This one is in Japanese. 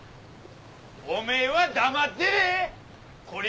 おめえは黙ってれ。